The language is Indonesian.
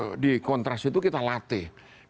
jadi investigator di kontras itu kita latihkan dulu